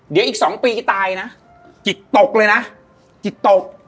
เดี๋ยวอีก๒ปีจะตายนะจิตตกเลยนะจิตตก